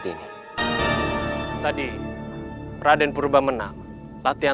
tidak ada siapa yang bisa memberi perhatian